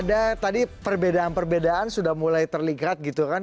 ada tadi perbedaan perbedaan sudah mulai terlihat gitu kan